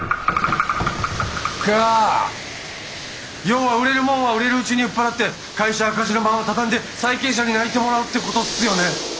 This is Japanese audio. が要は売れるもんは売れるうちに売っ払って会社赤字のまま畳んで債権者に泣いてもらおうってことっすよね。